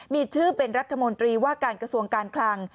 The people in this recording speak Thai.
มีชื่อเป็นรัฐมนตรีว่าการกระทรวงการคลัง